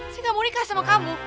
saya gak mau nikah sama kamu